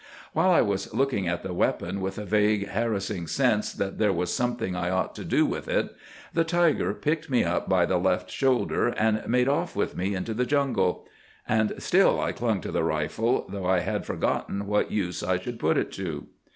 While I was looking at the weapon, with a vague, harassing sense that there was something I ought to do with it, the tiger picked me up by the left shoulder and made off with me into the jungle; and still I clung to the rifle, though I had forgotten what use I should put it to.